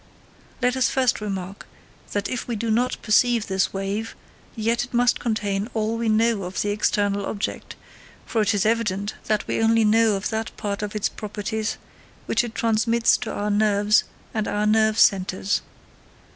Let us first remark, that if we do not perceive this wave, yet it must contain all we know of the external object, for it is evident that we only know of it that part of its properties which it transmits to our nerves and our nerve centres.